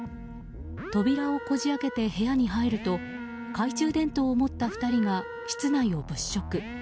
扉をこじ開けて部屋に入ると懐中電灯を持った２人が室内を物色。